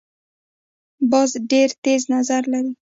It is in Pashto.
باز ډیر تېز نظر لري